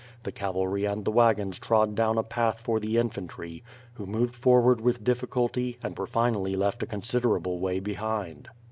The cavalry and the wagons trod dawn a path for the in fantry who moved forward with difficulty and finally were left a considerable w ay behind.